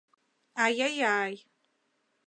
— Ай-яй-яй...